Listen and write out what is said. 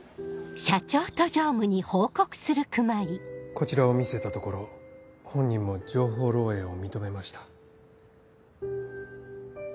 こちらを見せたところ本人も情報漏洩を認めました。